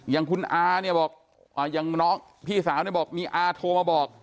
อย่างคุณอาเนี่ยบอกอย่างน้องพี่สาวเนี่ยบอกมีอาโทรมาบอก